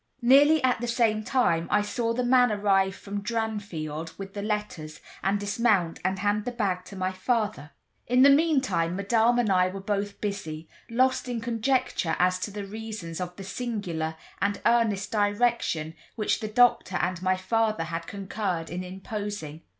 Nearly at the same time I saw the man arrive from Dranfield with the letters, and dismount and hand the bag to my father. In the meantime, Madame and I were both busy, lost in conjecture as to the reasons of the singular and earnest direction which the doctor and my father had concurred in imposing.